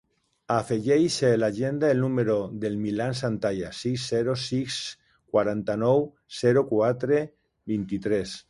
Afegeix a l'agenda el número del Milan Santalla: sis, zero, sis, cinquanta-nou, zero, quatre, vint-i-tres.